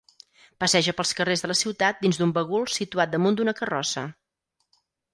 Passeja pels carrers de la ciutat dins d'un bagul situat damunt d'una carrossa.